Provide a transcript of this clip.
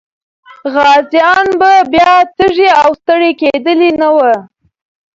غازيان به بیا تږي او ستړي کېدلي نه وو.